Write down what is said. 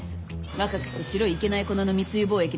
若くして白いいけない粉の密輸貿易で財を成した。